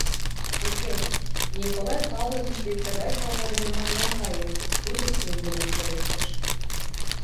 — Уке, Николай Павлович дек тыгай сомыл дене мый ом кае, — тудо пеҥгыдын пелештыш.